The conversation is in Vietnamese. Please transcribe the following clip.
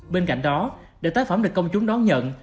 bên cạnh đó để tác phẩm được công chúng đón nhận